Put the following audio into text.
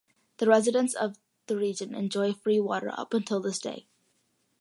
The residents of the region enjoy free water up until this day.